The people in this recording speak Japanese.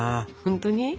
ほんとに？